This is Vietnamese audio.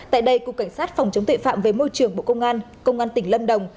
tại đây cục cảnh sát phòng chống tuệ phạm về môi trường bộ công an công an tỉnh lâm đồng